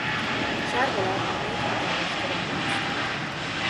Sárga lábán négy hatalmas karom helyezkedik el.